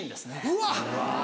うわ！